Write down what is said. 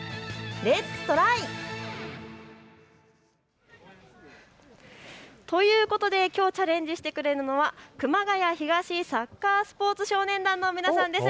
レッツトライ！ということできょうチャレンジしてくれるのは熊谷東サッカースポーツ少年団の皆さんです。